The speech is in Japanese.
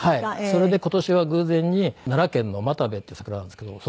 それで今年は偶然に奈良県の又兵衛っていう桜なんですけども。